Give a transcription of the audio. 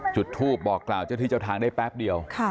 จุดทูปบอกกล่าวเจ้าที่เจ้าทางได้แป๊บเดียว